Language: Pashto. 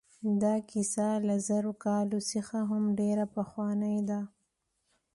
دا کیسه له زرو کالو څخه هم ډېره پخوانۍ ده.